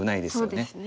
そうですね。